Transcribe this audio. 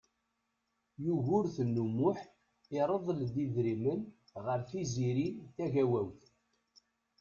Yugurten U Muḥ irḍel-d idrimen ɣer Tiziri Tagawawt.